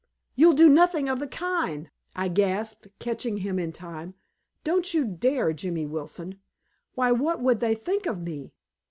"You'll do nothing of the kind," I gasped, catching him in time. "Don't you dare, Jimmy Wilson! Why, what would they think of me?